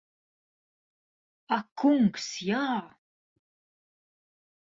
Ak kungs, jā!